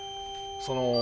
その。